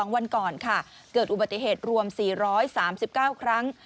วันก่อนค่ะเกิดอุบัติเหตุรวม๔๓๙ครั้ง